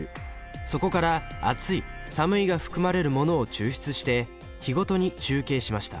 そこから暑い寒いが含まれるものを抽出して日ごとに集計しました。